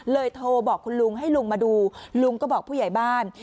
โทรบอกคุณลุงให้ลุงมาดูลุงก็บอกผู้ใหญ่บ้าน